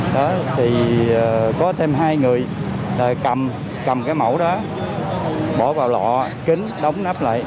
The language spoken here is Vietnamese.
đó thì có thêm hai người cầm cầm cái mẫu đó bỏ vào lọ kính đóng nắp lại